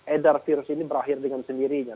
edar virus ini berakhir dengan sendirinya